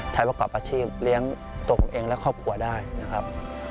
ใช้ประกอบอาชีพเลี้ยงตัวผมเองและครอบครัวได้นะครับ